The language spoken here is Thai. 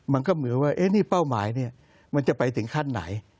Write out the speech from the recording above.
มันก็เหมือนว่านี่เป้าหมายเนี่ยมันจะไปถึงขั้นไหน